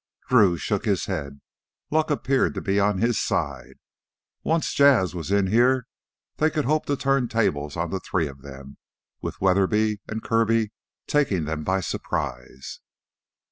Drew shook his head. Luck appeared to be on his side. Once Jas' was in here, they could hope to turn tables on the three of them, with Weatherby and Kirby taking them by surprise.